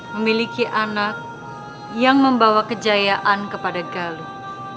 memiliki anak yang membawa kejayaan kepada galuh